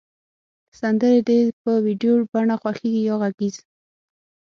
سندری د په ویډیو بڼه خوښیږی یا غږیز